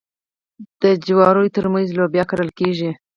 د جوارو ترمنځ لوبیا کرل کیږي.